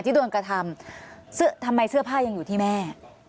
ที่โดนกระทำทำไมเสื้อผ้ายังอยู่ที่แม่